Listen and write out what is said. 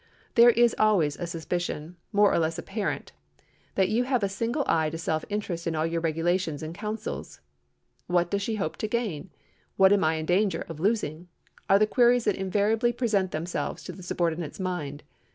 There is always a suspicion—more or less apparent—that you have a single eye to self interest in all your regulations and counsels. "What does she hope to gain? What am I in danger of losing?" are the queries that invariably present themselves to the subordinate's mind.